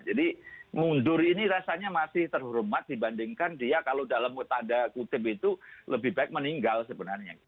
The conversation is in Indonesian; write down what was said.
jadi mundur ini rasanya masih terhormat dibandingkan dia kalau dalam tanda kutip itu lebih baik meninggal sebenarnya